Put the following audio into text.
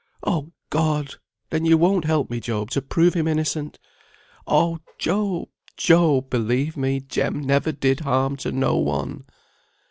"Oh, God! Then you won't help me, Job, to prove him innocent? Oh! Job, Job; believe me, Jem never did harm to no one."